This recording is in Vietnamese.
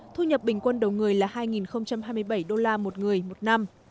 thu nhập bình quân đầu người là hai hai mươi bảy đô la một người một năm